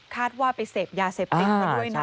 ว่าไปเสพยาเสพติดมาด้วยนะ